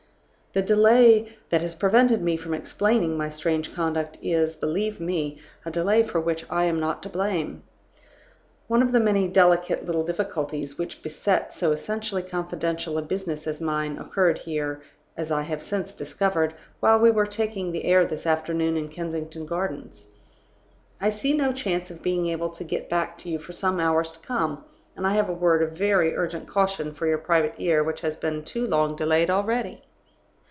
"The delay that has prevented me from explaining my strange conduct is, believe me, a delay for which I am not to blame. One of the many delicate little difficulties which beset so essentially confidential a business as mine occurred here (as I have since discovered) while we were taking the air this afternoon in Kensington Gardens. I see no chance of being able to get back to you for some hours to come, and I have a word of very urgent caution for your private ear, which has been too long delayed already.